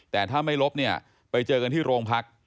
แต่ถ้าไม่ลบเนี่ยไปเจอกันที่โรงพัก